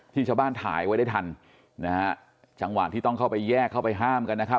ชาวบ้านถ่ายไว้ได้ทันนะฮะจังหวะที่ต้องเข้าไปแยกเข้าไปห้ามกันนะครับ